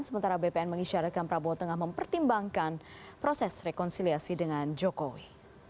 sementara bpn mengisyaratkan prabowo tengah mempertimbangkan proses rekonsiliasi dengan jokowi